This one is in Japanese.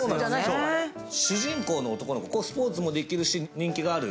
主人公の男の子、スポーツもできるし、人気もある。